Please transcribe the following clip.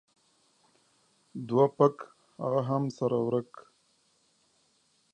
The Islanders did not qualify for the post-season.